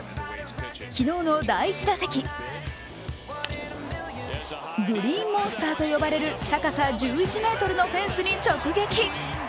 昨日の第１打席グリーンモンスターと呼ばれる高さ１１ｍのフェンスに直撃。